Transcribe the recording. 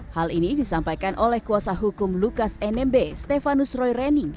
hal ini disampaikan oleh kuasa hukum lukas nmb stefanus roy renning